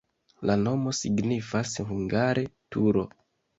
La nomo signifas hungare: turo.